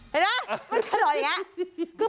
เห็นไหมมันกระโดดอย่างนี้